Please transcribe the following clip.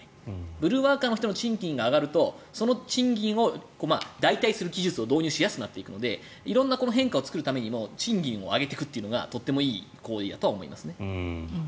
ブルーワーカーの人の賃金が上がると、その賃金を代替する技術を導入しやすくなるので変化を作るためにも賃金を上げていくのがとてもいい行為だと思いますね。